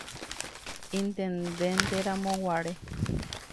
Intendenteramoguare.